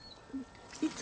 いつ？